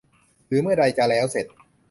หรือเมื่อใดจะแล้วเสร็จ